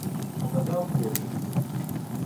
Показав посвідку.